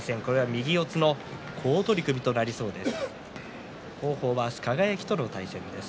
右四つの好取組となりそうです。